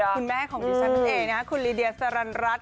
คุณแม่ของดิฉันคือคุณลีเดียสรรันรัฐ